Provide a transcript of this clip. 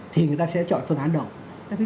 thì người ta sẽ chọn phương án đầu